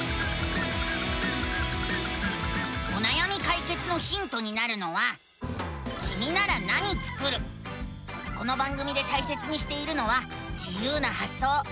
おなやみかいけつのヒントになるのはこの番組でたいせつにしているのは自ゆうなはっそう。